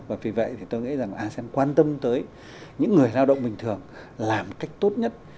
và vì vậy thì tôi nghĩ rằng asean quan tâm tới những người lao động bình thường làm cách tốt nhất